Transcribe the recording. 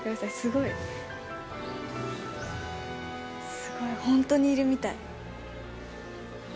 すごい本当にいるみたい。